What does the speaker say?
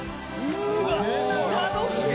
うわっ楽しい！